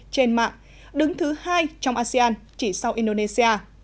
trên mạng đứng thứ hai trong asean chỉ sau indonesia